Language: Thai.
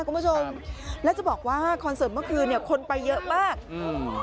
คุณผู้ชมแล้วจะบอกว่าคอนเสิร์ตเมื่อคืนเนี้ยคนไปเยอะมากอืม